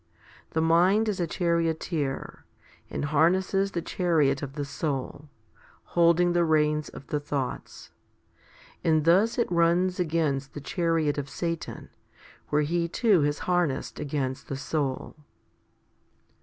The mind is charioteer, and harnesses the chariot of the soul, holding the reins of the thoughts ; and thus it runs against the chariot of Satan, where he too has harnessed against the soul.